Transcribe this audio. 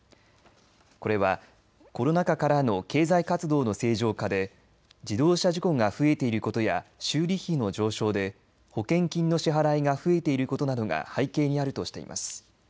これは、コロナ禍からの経済活動の正常化で自動車事故が増えていることや修理費の上昇で保険金の支払いが増えていることなどが背景にあるとしています。